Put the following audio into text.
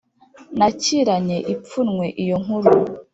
nakiranye ipfunwe iyo nkuru,